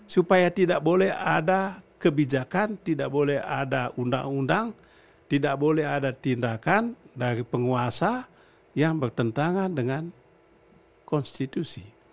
supaya tidak boleh ada kebijakan tidak boleh ada undang undang tidak boleh ada tindakan dari penguasa yang bertentangan dengan konstitusi